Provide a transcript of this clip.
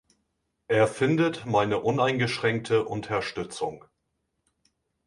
Er findet meine uneingeschränkte Unterstützung.